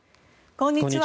こんにちは。